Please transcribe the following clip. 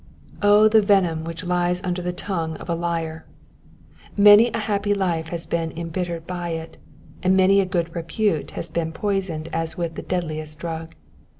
O the venom which lies under the tongue of a liar I Many a happy hfe has been embittered by it, and many a good repute has been poisoned as with the deadliest drug.